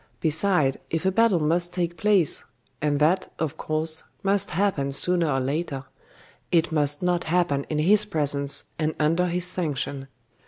Beside, if a battle must take place and that, of course, must happen sooner or later it must not happen in his presence and under his sanction.